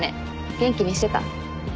元気にしてた？